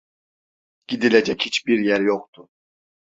Gidilecek hiçbir yer yoktu.